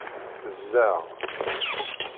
Ẓẓleɣ.